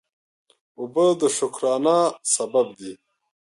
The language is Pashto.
اوبه د شکرانه سبب دي.